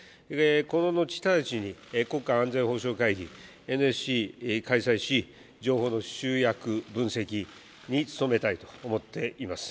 この後直ちに、国家安全保障会議・ＮＳＣを開催し、情報の集約、分析に努めたいと思っています。